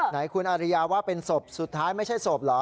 นายคุณอาริยาว่าเป็นศพสุดท้ายไม่ใช่ศพเหรอ